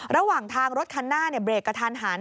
ระหว่างทางรถคันหน้าเบรกกระทันหัน